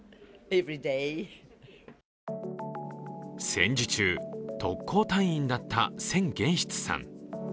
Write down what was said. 戦時中、特攻隊員だった千玄室さん。